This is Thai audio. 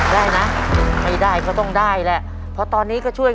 ได้นะไม่ได้ก็ต้องได้แหละเพราะตอนนี้ก็ช่วย